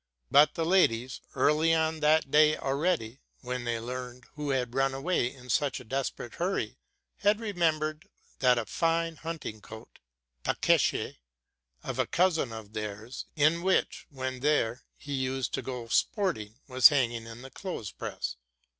But the ladies, early on that day already, when they learned who had run away in such a desperate hurry, had remembered that a fine hunting coat (Pekesche) of a cousin of theirs, in which, when there, he used to go sport ing, was hanging in the clothes press.